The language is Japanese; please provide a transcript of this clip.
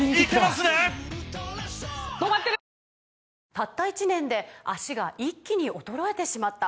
「たった１年で脚が一気に衰えてしまった」